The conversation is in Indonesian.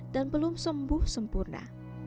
dan belum sembuh sempurna